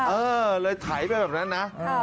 เออเลยไถไปแบบนั้นนะ